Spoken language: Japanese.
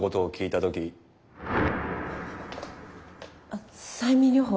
あっ催眠療法。